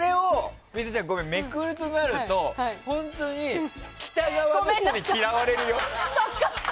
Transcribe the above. めくるとなると本当に北側のほうに嫌われるよ。